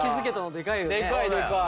でかいでかい。